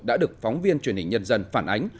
đã được phóng viên truyền hình nhân dân phản ánh